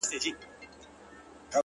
• ما مي له پښتو سره پېیلې د نصیب ژبه ,